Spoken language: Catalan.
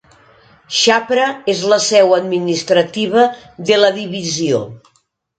Chhapra és la seu administrativa de la divisió.